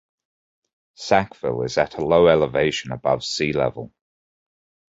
Sackville is at a low elevation above sea level.